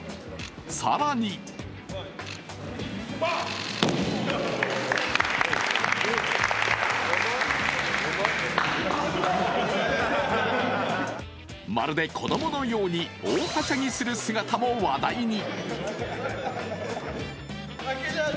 更にまるで子供のように大はしゃぎする姿も話題に。